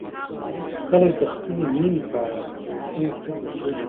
کله چې د خپلې مینې په اړه په اوښلنو سترګو سوچ کوئ.